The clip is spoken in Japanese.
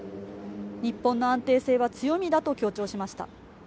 日本の安定性は強みだと強調しました。